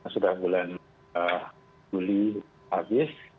sudah bulan juli habis